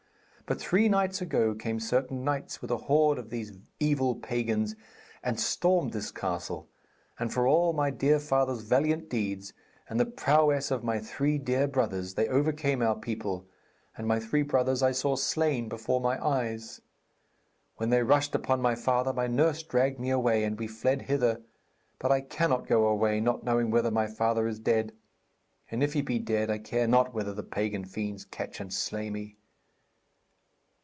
But three nights ago came certain knights with a horde of these evil pagans, and stormed this castle, and for all my dear father's valiant deeds, and the prowess of my three dear brothers, they overcame our people, and my three brothers I saw slain before my eyes. When they rushed upon my father, my nurse dragged me away, and we fled hither. But I cannot go away, not knowing whether my father is dead. And if he be dead I care not whether the pagan fiends catch and slay me.'